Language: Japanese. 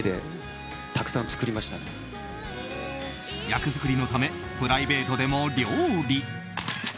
役作りのためプライベートでも料理。